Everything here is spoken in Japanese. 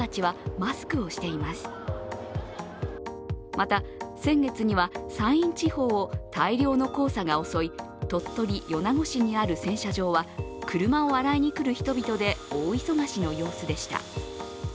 また、先月には山陰地方を大量の黄砂が襲い鳥取・米子市にある洗車場は車を洗いに来る人たちで大忙しの様子でした。